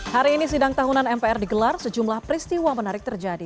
hari ini sidang tahunan mpr digelar sejumlah peristiwa menarik terjadi